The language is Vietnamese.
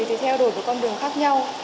thì theo đổi một con đường khác nhau